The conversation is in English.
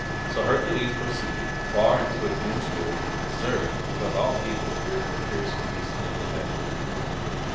So Hercules proceeded, far into a dense wood, deserted because all people feared the fierce beast it protected.